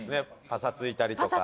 パサついたりとか。